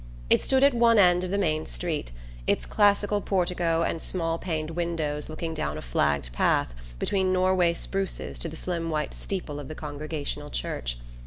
It stood at one end of the main street, its classic portico and small paned windows looking down a flagged path between Norway spruces to the slim white steeple of the Congregational church.